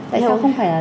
tại sao không phải là